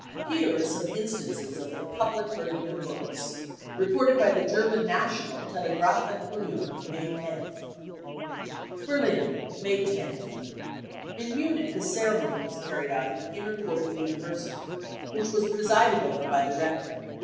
Here are some instances of the public burning of books, reported by the German National Telegrafen Union of May 10th :" Berlin, May 10th. In Munich a ceremony was carried out in the inner court of the University, which was presided over by the rector.